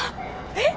えっ！